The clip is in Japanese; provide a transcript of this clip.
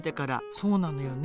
そうなのよね。